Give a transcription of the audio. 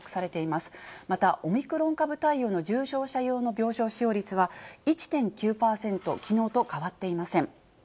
またオミクロン株対応の重症者用の病床使用率は１．９％、きのうと変わっていません。